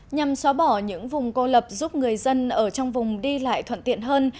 nhằm xóa bỏ những vùng cô lập giúp người dân ở trong vùng đi lại thuận tiện hơn